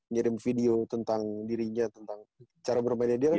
ngirim video tentang dirinya tentang cara bermainnya dia kan